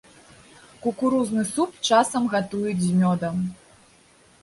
Кукурузны суп часам гатуюць з мёдам.